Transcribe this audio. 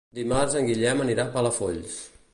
Dimarts en Guillem anirà a Palafolls.